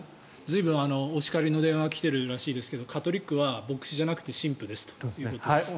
随分、お叱りの電話が来ているらしいですけどカトリックは牧師じゃなくて神父ですということです。